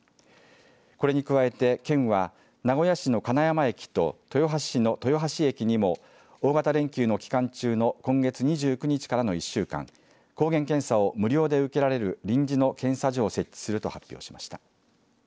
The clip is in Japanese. これに加えて、県は名古屋市の金山駅と豊橋市の豊橋駅にも大型連休の期間中の今月２９日からの１週間抗原検査を無料で受けられる臨時の検査所を設置すると発表しました。